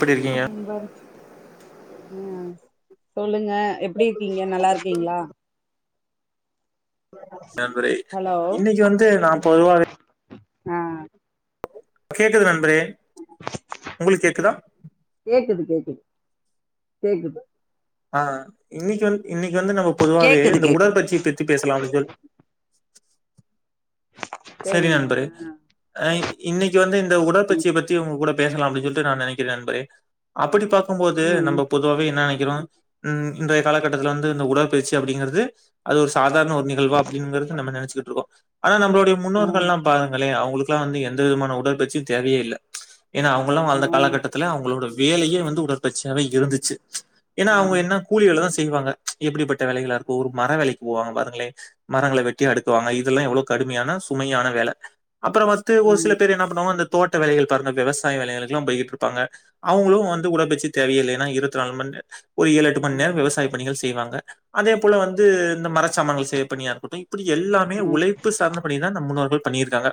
எப்டி இருக்கீங்க நம்போ ம் சொல்லுங்க எப்டி இருக்கீங்க நல்லாருக்கீங்ளா நண்பரே ஹலோ இன்னைக்கு வந்து நா பொதுவாவே ஆ கேக்குது நண்பரே உங்ளுக் கேக்குதா கேக்குது கேக்குது கேக்குது ஆ இன்னிக்கி வந் இன்னக்கி வந்து நம்ம பொதுவாவே கேக்குது இந்த கேக்குது உடற்பயிச்சி பத்தி பேசலா அப்டின் சொல் சரி சேரிங்க நண்பரே ஆ இன்னக்கி வந்து இந்த ம் உடற்பயிற்சிய பத்தி உங்க கூட பேசலா அப்டின் சொல்ட்டு நான் நெனைக்கிற நண்பரே அப்புடி பாக்கும்போது ம் நம்ம பொ துவாவே என்ன நெனைக்கிறோ ம் இந்த காலகட்டத்துல வந்து இந்த உடற்பயிற்சி அப்டிங்கறது அது ஒரு சாதார்ண ஒர் நிகழ்வா அப்டிங்கறது நம்ம நெனச்சிக்கிட்ருக்கோ ஆனா நம்மளுடைய ஆ முன்னோர்கல்லா பாருங்களே அவுங்குளு க்லா வந்து எந்த விதமான உடற்பயிற்சியு தேவையே இல்ல ஏனா அவுங்களா ஆ வாழ்ந்த காலகட்டத்துல அவுங்குளோட வேலயே வந்து உடற்பயிற்சியாவே இருந்துச்சு ஏனா அவுங்க ஆமா என்ன கூலி வேலதா செய்வாங்க எப்புடிப்பட்ட வேலைகளா இருக்கு ஒரு மர வேலைக்கு போவாங்க பாருங்ளே மரங்கள வெட்டி அடுக்குவாங்க இதெல்லா எவுளோ கடுமையான சுமையான வேல அப்புறோ வந்து ஒரு சில ம் பேர் என்ன பண்ணுவாங்க அந்த தோட்ட வேலைகள் பாருங்க விவசாய வேலைகளுக்குலா போய்கிட்ருப்பாங்க அவுங்களு வந்து உடல் பயிற்சி தேவயேயில்ல ஏன்னா இருவத்தி நாலு மண் நே ஒரு ஏழு எட்டு மண் ம் நேரோ விவசாய பணிகள் செய்வாங்க அதே போல வந்து இந்த மரசாமன்கள் செய் பணியா இருக்கட்டு அப்டி எல்லாமே ம் உழைப்பு சார்ந்த பணி தா நம் முன்னோர்கள் பண்ணியிருக்காங்க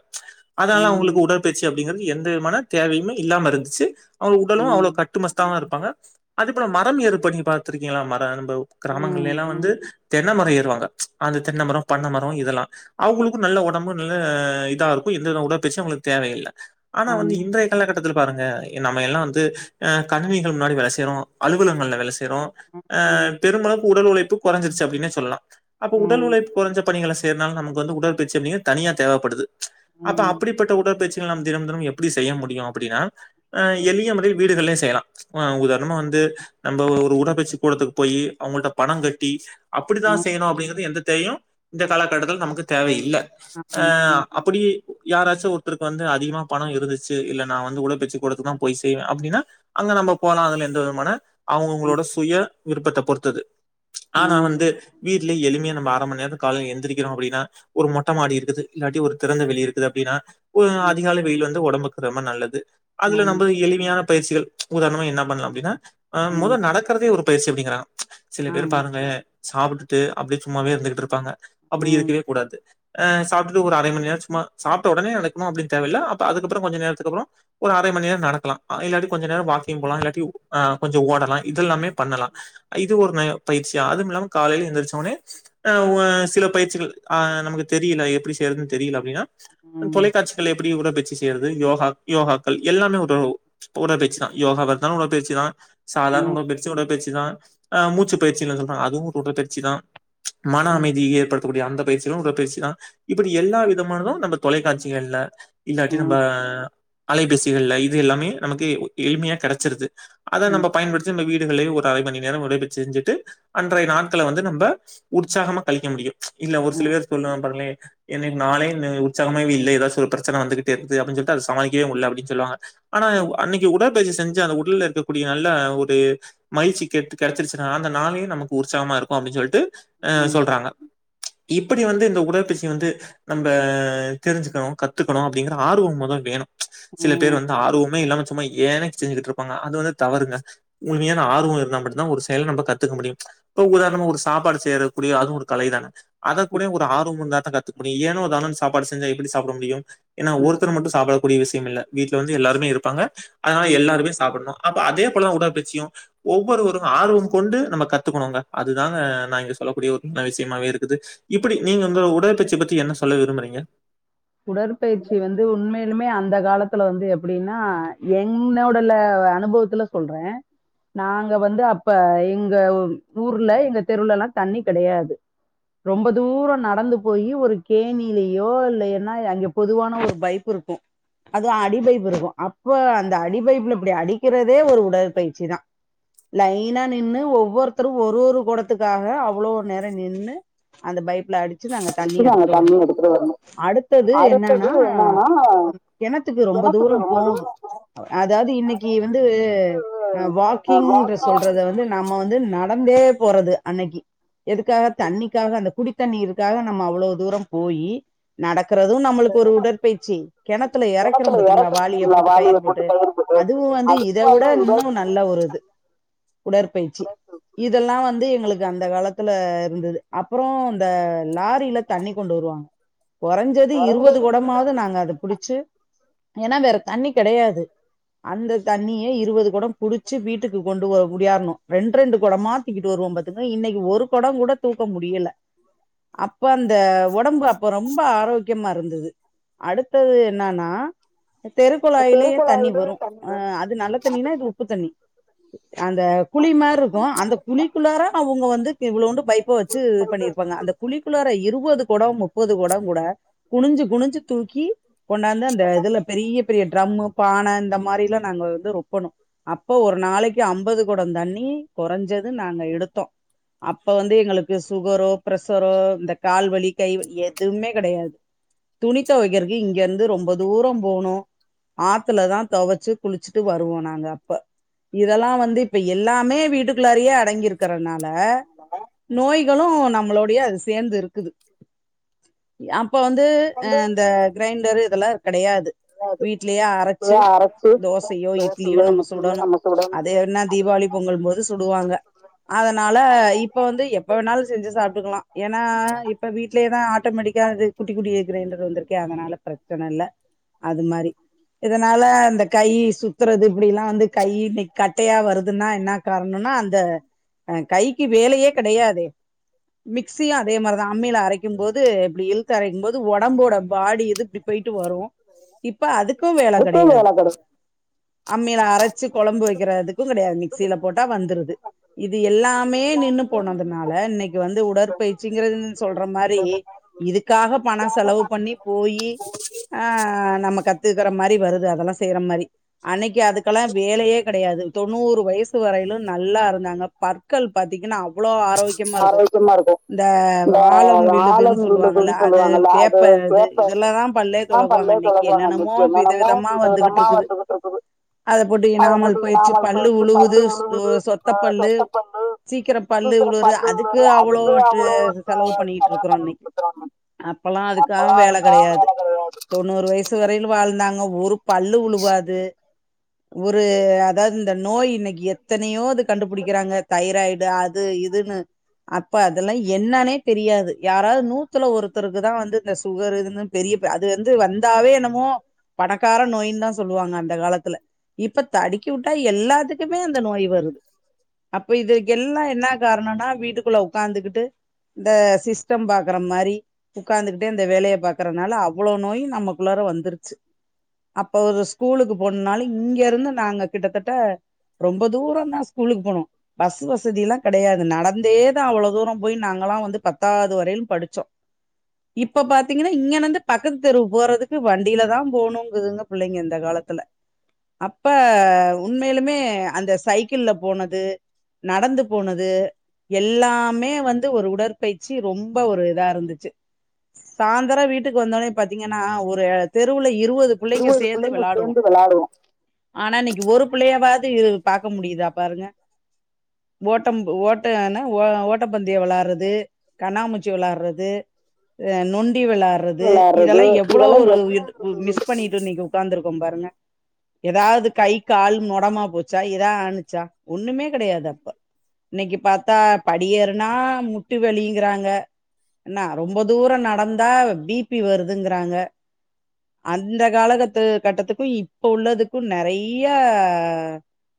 அதனால ம் அவுங்களுக்கு உடற்பயிற்சி அப் டிகறது எந்த விதமான தேவையுமே இல்லாம இருந்துச்சி அவுங்க உடலு அவ்ளோ ம் கட் துமஸ்தாவோ இருப்பாங்க அது போலே மரம் ஏறுபணி பாத்திருக்கீங்களா மரம் பவ் கிராமங்கள்ல ம் எல்லாவந்து ம் தென்னைமரோ ஏறுவாங்க அந்த தென்னைமரோ பண்ணமரோ இதெல்லா அவுங்குளுக்கு நல்ல ஒடம்பு நல்ல இதா இருக்கு எந்தவித உடல் பயிற்சியு அவுங்குளுக்கு தேவயில்ல ஆனா வந்து ஆமா இன்றைய கால கட்டத்துல பாருங்க எ நம்மோ எல்லா வந்து அ கணினிகள் முன்னாடி வேல செய்றோ அலுவலகங்கல்ல வேல செய்றோ ஆ ம் பெருமளப் உடல் உழைப்பு கொரஞ்சுருச்சி அப்டின்னே சொல்லலா அப்போ உடல் உழைப்பு குறைஞ்ச பணிகள செய்ரதுனாலே நமக்கு வந்து உடற்பயிற்சி அப்டிங் தனியா தேவப்படுது அப்ப ம் அப்பிடிப்பட்ட உடற்பயிற்சிகள் நாம் தினம் தினம் எப்புடி செய்ய முடியு அப்டினா ஹ ம் எளிய முறைல வீடுகள்லயு செய்லா ஆ உதாரணமா வந்து நம்ம ஒரு உடற்பயிற்சி கூடத்துக்கு போய் அவுங்கள்ட்ட பணம் கட்டி அப்டித்தா செய்யணு ம் அப்டிங்கிறது எந்த தேவையு இந்த காலகட்டத்துல நமக்கு தேவயில்ல ஆ ஆமா அப்டியே யாராச்சு ஒருத்தருக்கு வந்து அதிகமா பணோ இருந்துச்சு இல்ல நா வந்து உடல் பயிற்சி கூடத்துக்கு தா போய் செய்வே அப்டின்னா அங்க நம்ம போலா அதுல எந்த விதமான அவுங்அவுங்களோட சுய விருப்பத்த பொறுத்தது ஆனா ம் வந்து வீட் இல்ல எளிமையா நம்ம அர மணி நேரோ கால்ல எந்திரிக்குறோ அப்டின்னா ஒரு மொட்டமாடி இருக் இது இல்லாட்டி ஒரு திறந்த வெளி இருக்குது அப்டின்னா ஒரு ம் அதிகால வெளில் வந்து ஒடம்புக்கு ரொம்ப நல்லது அதுல ஆமா நம்ப எளிமையான பயிற்சிகள் உதாரணமா என்ன பண்லா அப்டின்னா ஆ ம் முதோ நடக்கிறதே ஒரு பயிற்சி அப்டிங்கிறா சில பேர் ஆமா பாருங்லே சாப்ட்டுட்டு அப்டியே சும்மாவே இருந்துகிட்டு இருப்பாங்க அப்டி ம் இருக்கவே கூடாது அ சாப்டுட்டு ஒரு அரை மணி நேரோ சும்மா சாப்ட்ட உடனே நடக்கணு அப்டினு தேவல்ல அப்போ அதுக்கப்புறோ கொஞ்சோ நேரத்துக்கு அப்புறோ ஒரு அரை மணி நேரோ நடக்கலா அ இல்லாட்டி கொஞ்ச நேரோ வாக்கிங் போலா இல்லாட்டி ஆஹ் கொஞ்சோ ஓடலா இதெலாமே பண்ணலா இது ஒரு நயோ பயிற்சிதா அதுவு இல்லாம காலைல எந்திரிச்சோனே ஆஹ் ஒ சில பயிற்சிகள் ஆஹ் நமக்கு தெரியல எப்புடி செய்யறதுன்னு தெரியல அப்டின்னா ம் தொலைக்காட்சி மக்கள் எப்டி உடல் பயிற்சி செய்ரது யோகா யோகாக்கள் எல்லாமே உதவு உடற்பயிற்சி தா யோகவா இருந்தாலு உடற்பயிற்சி தா சாதாரண ம் உடல்பயிற்சியு உடல்பயிற்சிதா ஆ மூச்சிபயிற்சினு சொல்றாங்க அதுவு ஒரு உடற்பயிற்சி தா மன ம் அமைதிய ஏற்படுத்தக்கூடிய அந்த பயிற்சியு உடற் பயிற்சி தா இப்டி எல்லா விதமானதோ நம்ம தொலைக்காட்சிகள்ள இல்லாட்டி நம்ப அலைபேசிகள்ல இது எல்லாமே நமக்கு எளிமையா கெடச்சிருது அத ம் நம்ப பயன்படுத்தி நம்ம வீடுகள்லே ஒ அரை மணி நேரோ உடற்பயிற்சி செஞ்சுட்டு அன்றைய நாட்கள வந்து நம்ம உற்சாகமா கழிக்க முடியு இல்ல ஒரு சில ம் பேரு சொல்லுவா பாருங்லே என்னைக்கு நாளே இன்னு உற்சாகமவே இல்ல ஏதாச்சும ஒரு பிரச்சனை வந்துகிட் து அப்டின்னு சொல்லிட்டு சமாளிக்கவே உள்ள அப்டின் சொல்லுவாங்க ஆனா ம் அன்னிக்கு உடற்பயிற்சி செஞ்சு அந்த உடல்ல இருக்கக்கூடிய நல்ல ஒரு மயிழ்சி கடச்சிருச்சினா அந்த நாளே நமக்கு உற்சாகமா இருக்கு அப்டி சொல்ட்டு ஹ ம் சொல்றாங்க இப்டி வந்து இந்த உடற்பயிற்சி வந்து நம்ம தெரிஞ்சுக்கணு கத்துக்கணு அப்டிங்கற ஆர்வோ மொதோ வேணு சில பேர் ம். வந்து ஆர்வமே இல்லாம சும்மா ஏன்னே செஞ்சுக்கிட்டு இருப்பாங்க அது வந்து தவறுங்க உண்மயான ஆர்வோ இருந்தா மட்டுந்தா ஒரு செயல நம்ப கத்துக்க முடியு இப்போ உதாரணமா ஒரு சாப்பாடு செய்யறக்கூடிய அதுவு ஒரு கலைதானே அத ம். கூட ஒரு ஆர்வோ இருந்தா தா கத்துக்க முடியு ஏனோ தானோனு சாப்பாடு செஞ்சா எப்டி சாப்ட முடியு ஏனா ஆ. ஒருத்தர் மட்டு சாப்ல கூடிய விஷயம் இல்ல வீட்டுல வந்து எல்லாருமே இருப்பாங்க அதனால எல்லாருமே சாப்டனு அப்போ அதே போல உடற்பயிற்சியு ஒவ்வொருவரு ஆர்வம் கொண்டு நம்ம கத்துக்கணுங்க அது தாங்க நா இங்க சொல்லக்கூடிய ஒரு விஷ்யமாவே இருக்குது இப்டி நீங்க இந்த உடற்பச்சை பத்தி என்ன சொல்ல விரும்புறீங்க உடற்பயிற்சி வந்து உண்மையிலுமே அந்த காலத்துல வந்து எப்டின்னா என்னோடல அனுபவத் துல சொல்றே நாங்க வந்து அப்ப எங்க ஊர்ல எங்க தெருலல்லா தண்ணி கெடயாது ரொம்ப தூரோ நடந்து போயி ஒரு கேணிலயோ இல்ல எதனா அங்க பொதுவான ஒரு பைப்பு இருக்கு அதுவு அடி பைப்பு இருக்கு அப்ப அந்த அடி பைப்புல இப்டி அடிக்கிறதே ஒரு உடற்பயிற்சி தா லைனா நின்னு ஒவ்வொருத்தரு ஒரு ஒரு குடத்துக்காக அவ்ளோ நேரோ நின்னு அந்த பைப்ல அடிச்சு நாங்க தண்ணி நாங்க எடுத்துட்டு தண்ணி வரணு எடுத்துட்டு வரணும் அடுத் தது என்னன்னா அடுத்தது என்னன்னா கெணத்துக்கு ரொம்ப தூரோ கிணத்துக்கு ரொம்ப போணு தூரம் அதாவ்து இன்னைக்கி அதாவது வந்து அ வாக்கிங்ன்ற வாக்கிங் சொல்றத வந் து நம்ம வந்து நடந்தே போறது அன்னைக்கி எதுக்காக தண்ணிக்காக அந்த குடித்தண்ணீருக்காக நம்ம அவ்ளோ தூரோ போயி நடக் றது நம்ளுக்கு ஏதோ ஒரு நம்மளுக்கு உடற்பயிற்சி கெணத்துல எறைக்கிறோ கிணத்துல பாத்தீங்ளா வாளிய இறக்குறீங்களா போட்டு கயிறு வாளிய போட்டு கயிறு போட்டு அதுவு வந்து இத அதுக்கு விட வந்து இன்னு உதவி நல்ல ஒருது உடற்பயிற்சி இதெல்லா வந்து எங்ளுக்கு அந்த காலத்துல இருந்தது அப்புறோ இந்த லாரில தண்ணி கொண்டு வருவாங்க கொறஞ்சது இருவது இறந்தது கொடமா வது நாங்க அத புடிச்சு ஏனா வேற தண்ணி கெடயாது அந்த தண்ணிய இருவது கொடோ புடிச்சு வீட்டுக்கு கொண்டு ஓடியாற்ணு ரெண்டு ரெண்டு கொடமா தூக்கிட்டு வருவோ பாத்துங்க இன்னைக்கி ஒரு கொட கூட தூக்க முடியல அப்ப அந்த உடம்பு அப்ப ரொம்ப ஆரோக் யமா இருந்தது அடுத்தது என்னன்னா தெருகுழாயிலேயே தண்ணி பெருக்குழாயிலே வரு தண்ணி ஆ வரும் அது நல்ல ம், அது தண்ணின்னா இது உப்பு தண்ணி அந்த குழி அந்த மார் இருக்கு புளி அந்த மாதிரி குழி இருக்கும். குழிகுள்ளாற அவுங்க வந்து இவ்ளோன்டு பைப்ப வச்சு அந்த பண்ணிருப்பாங்க புளி அந்த குழிகுள்ளாற இருபது கொடோமோ முப்பது கொடோ கூட குனிஞ்சு குனிஞ்சு தூக்கி கொண்டாந்து அந்த இதுல பெரிய பெரிய ட்ரம்மு பான இந்த மாரிலா நாங்க வந்து ரொப்பணு அப்போ ஒரு நாளைக்கு அம்பது கொடோ தண்ணி கொறஞ்சது நாங்க எடுத்தோ அப்ப வந்து எங்களுக்கு சுகரோ பிர்ஷரோ இந்த கால்வலி கைவலி எதுமே கெடயாது துணி தொவைக்கிறக்கு இங்க இருந்து ரொம்ப தூரோ போணு ஆத்துல தா தொவச்சு குளிச்சுட்டு வருவோ நாங்க அப்ப இதெலா வந்து இப்ப எல்லாமே வீட்டுக்குள்ளாரயே அடங்கியிருக் குறனால நோய்களு நம்ளோடையே அது சேந்து இருக்குது அப்ப வந்து அ வந்து இந்த கிரைண்டரு இதெல்லா கெடயாது அது வீட்லயே அரச்சு இப்படியே அரைச்சு தோசையோ தோசையோ இட்லியோ நம்ம இட்லியோ சுடணு நம்ம சுடணும் அது என்ன அது தீபாவளி என்ன பொங்கல்ம்போது சுடுவாங்க அதனால இப்ப வந்து எப்ப வேணாலு செஞ்சு சாப்ட்டுக்லா ஏனா இப்ப வீட்லே தா ஆட்டோமேட்டிக் நிக்காது குட்டி குட்டி கிரைண்டர் வந்திருக்கே அதனால பிரச்சன இல்ல அது மாரி இதனால இந்த கை சுத்துறது இப்டி எல்லா வந்து கை நிக் கட்டையா வருதுன்னா என்ன காரணனா அந்த அ கைக்கு வேலயே கெடயாதே மிக்சியு அதே மாரிதா அம்மில அரைக்கும் போது இப்டி இழுத் தரைக்கும்போது ஒடம்போட பாடி இது இப்டி போய்ட்டு வரு இப்ப அது க்கு வேல அதுக்கும் கெடயாது வேலை கிடையாது அம்மில அரச்சு கொழம்பு வைக்றதுக்கு கெடயாது மிக்சியில போட்டா வந்துருது இது எல்லாமே நின்னு போனதுனால இன்னக்கி வந்து உடற்பயிற்சிங்கிறதுன்னு சொல்ற மாரி இதுக்காக பணோ செலவு பண்ணி போயி ஆ நம்ம கத்துக்குற மாரி வருது அதெல்லா செய்ற மாரி அன்னைக்கு அதுக்கெல்லா வேலையே கடையாது தொண்ணூறு வயசு வரையிலு நல்லா இருந்தாங்க பற்கள் பாத்தீங்கன்னா அவ்ளோ ஆரோக்கியமா இருக்கு ஆரோக்கியமா இருக்கு இந்த இந்த ஆழம் விழுதுன்னு ஆலம் சொல்லுவாங்க விழுதுன்னு அது சொல்லுவாங்கல்ல வேப்ப அது வேப்ப இதுல்லதா பல்லே ஆ தொலக்குவாங்க பல்லே இன்னைக்கு தொலக்குவாங்க என்னென்னமோ இன்னைக்கு வித என்னென்னமோ விதமா வித விதமா வந்துகிட்ருக்குது வந்துகிட்டு இருக்குது அத போட்டு அத போட்டு இனாமல் போயிருச்சு இனாமல் பல்லு போயிடுச்சு பல்லு உழுவுது உ விழுகுது சொத்த ஆ பல்லு சொத்த பல்லு சீக்கிரம் பல்லு சீக்கிர உழு பல்லு ந்து விழுது அவ்ளோ அதுக்கு ட்ர அவ்ளோ செலவு பண்ணிட்டுருக்குறோ பண்ணிட்டு இன்னைக்கு இருக்குறாங்க அப்பல்லா அதுக்குலா அப்பல்லா வேல அதுக்காக கெடையாது வேல கெடையாது தொண்ணூறு வயசு வரையில வாழ்ந்தாங்க ஒரு பல்லு உழுவாது ஒரு அதாவது இந்த நோய் இன்னைக்கு எத்தனையோ இது கண்டுபுடிக்கறாங்க தைராய்டு அது இதுன்னு அப்ப அதல்லா என்னனே தெரியாது யாராவது நூ த்துல ஒருத்தருக்குதா வந்து இந்த சுகரு இது பெரிய ப அது வந்து வந்தாவே என்னமோ பணக்கார நோயின் தா சொல்லுவாங்க அந்த காலத்துல இப்ப தடுக்கி உட்டா எல்லாத்துக்குமே அந்த நோய் வருது அப்ப இதுக்கு எல்லா என்ன காரணோன்னா வீட்டுக்குள்ள உக்காந்துகிட்டு இந்த சிஸ்டம் பாக் கற மாரி உக்காந்துகிட்டே இந்த வேலைய பாகறனால அவ்ளோ நோயு நமக்குள்ளார வந்துருச்சு அப்ப ஒரு ஸ்கூலுக்கு போனுனாலு இங்க இருந்து நாங்க கிட்டத்தட்ட ரொம்ப தூரந்தா ஸ்கூலுக்கு போனோ பஸ் வசதில்லாம் கடையாது நடந்தே தா அவ்ளோ தூரம் போய் நாங்கல்லா வந்து பத்தாவது வரையிலு பச்சோ இப்ப பாத்தீங்கன்னா இங்கனந்து பக்கத்து தெருவு போறதுக்கு வண்டியில தா போணுங்குதுங்க புள்ளைங்க இந்த காலத்துல அப்ப உண்மையிலுமே அந்த சைக்கிள்ள போனது நடந்து போனது எல்லாமே வந்து ஒரு உடற்பயிற்சி ரொம்ப ஒரு இதா இருந்துச்சு சாந்தரோ வீட்டுக்கு வந்தோனே பாத்தீங்கன்னா ஒரு தெருவுல இருவது பிள்ளைங்க இருவது சேந்து பிள்ளைங்க வெளாடுவோ வெளாடுவோ ஆனா இன்னைக்கு ஒரு பிள்ளையாவது பாக்க முடியுதா பாருங்க ஓட்டம் ஓட்ட எனா ஓ ஓட்டப்பந்தியோ வெளாடுறது கண்ணாமூச் சி வெளாடுறது அ நொண்டி வெளாடு றது வெளாட்றது இதெல்லா எவ்ளோ இதெல்லா ஒரு எவ்ளோ மிஸ் பண்ணிட்டு நீங்க உக்காந்து இருக்கோ பாருங்க ஏதாவது கை கால் மொடமா போச்சா ஏதா ஆணுச்சா ஒண்ணுமே கடையாது அப்ப இன்னைக்கு பாத்தா படியேறுனா முட்டி வலிங்கிறாங்க என்ன ரொம்ப தூரோ நடந்தா பி பி வருதுங்குறாங்க அந்த காலகத்து கட்டத்துக்கு இப்ப உள்ளதுக்கு நறைய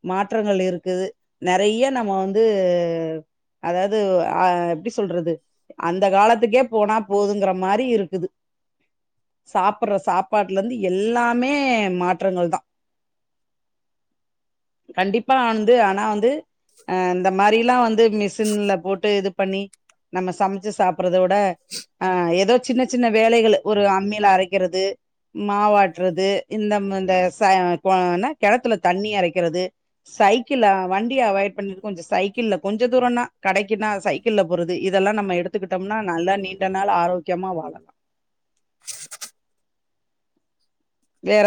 மாற்றங்கள் இருக்குது நறைய நம்ம வந்து அதாவது அ எப்டி சொல்றது அந்த காலத்துக்கே போனா போதுங்கற மாரி இருக்குது சாப்படுற சாப்பாட்டுல இருந்து எல்லாமே மாற்றங்கள் தா கண்டிப்பா வந்து ஆனா வந்து அ இந்த மாரிலா வந்து மிஷின்ல போட்டு இது பண்ணி சமச்சு சாப்பறத விட ஆ ஏதோ சின்ன சின்ன வேலைகள ஒரு அம்மியில அரைக்கிறது மாவாட்டுறது இந்த ம் இந்த ச ச கெணத்துல தண்ணி எரைக்கிறது சைக்கிள் வண்டிய அவாய்ட் பண்ணிரு கொஞ்சோ சைக்கிள்ல கொஞ்ச தூரோனா கடைக்கினா சைக்கிள்ல போறது இதெல்லா நம் ம் எடுத்துக்கிட்டோம்னா நல்ல நீண்ட நாள் ஆரோக்கியமா வாழலா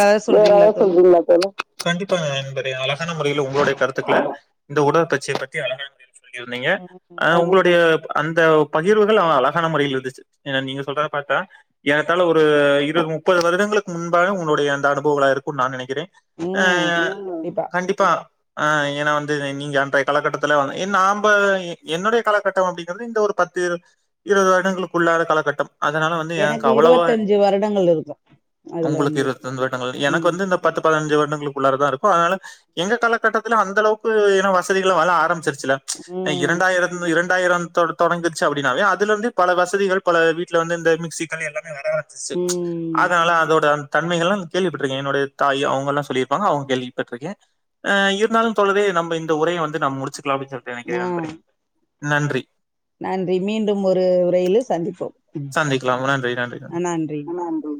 ஏதாவது வேற சொல்றீங்களா எதாவது தோழா சொல்றீங்களா தோழி கண்டிப்பாங்க இந்த மாரி அழகான முறையில உங்களுடைய கருத்துக்கள இந்த உடல் பயிற்சி பத்தி அழகான மு சொல்லிர்ந்தீங்க அ ம் உங்களுடைய அந்த பகிர்வுகள் அழகான முறையில இருந்துச்சு நீங்க சொல்றத பாத்தா ஏறத்தாழ ஒரு இரு முப் முப்பது வருடங்களுக்கு முன்பாக உங்கடைய அந்த அனுபவங்களா இருக்குனு நா நினைக்கிறே ஆ கண்டிப்பா ஆ ஏன்னா வந்து நீங்க அன்றைய காலகட்டத்துல வ என் நாம்ப என்னுடைய காலகட்டோ அப்டிங்கது இந்த ஒரு பத்து இருவது வருடங்களுக்குள்ளான காலகட்டம் அதனால வந்து எனக்கு அவ்வளவா இருவத்தஞ்சு வருடங்கள் இருக்கு அதுல உங்களுக்கு இருந்து இருபத்துஇரண்டு வருடங்கள் எனக்கு ம் வந்து இந்த பத்து பதினஞ்சு வருடங்களுக்கு உள்ளாரதா இருக்கு அதனால எங்க காலகட்டத்துல அந்தளவுக்கு ஏன்னா வசதிகள்ளா வளர ஆரம்பிச்சிருச் சுல்ல ம் இரண்டாயிரம் இரண்டாயிரன் தொட தொடங்குச்சு அப்டின்னாவே அதுல இருந்து பல வசதிகள் பல வீட்ல வந்து இந்த மிக்சிகள் எல்லாமே வர ஆரம்பிச்சுச்சு ம் அதனால அதோட அந்த தன்மைகளு கேள்விப்பட்டுருக்கே என்னுடைய தாய் அவங்கெல்லா சொல்லியிருப்பாங்க அவங்க கேள்விப்பட்ருக்கே ஆ இருந்தாலும் தோழரே நம்ம இந்த உரைய வந்து நம்ம முடிச்சுக்கலா அப்டின்னு சொல்டு நெனைக்கிறே ஆ நண்பரே நன்றி நன்றி மீண்டும் ஒரு உரையிலோ சந்திப்போம் சந்திக்கலாம் நன்றி நன்றி நன்றி நன்றி